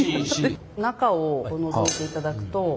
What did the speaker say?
中をのぞいていただくと。